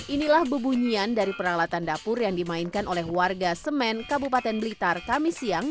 inilah bebunyian dari peralatan dapur yang dimainkan oleh warga semen kabupaten blitar kami siang